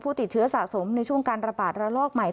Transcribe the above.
ติดเชื้อสะสมในช่วงการระบาดระลอกใหม่